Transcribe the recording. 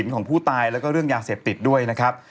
ของผู้ตายแล้วก็เรื่องยาเสพติดด้วยนะครับ